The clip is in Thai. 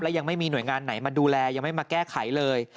ยังไม่มีหน่วยงานไหนมาดูแลยังไม่มาแก้ไขเลย